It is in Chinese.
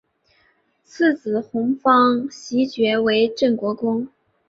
次子弘昉袭爵为镇国公。